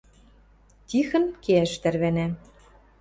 Тихӹн кеӓш тӓрвӓнӓ.